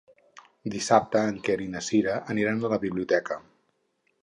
Dissabte en Quer i na Cira aniran a la biblioteca.